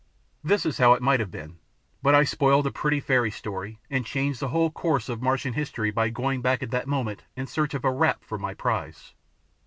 This is how it might have been, but I spoiled a pretty fairy story and changed the whole course of Martian history by going back at that moment in search of a wrap for my prize.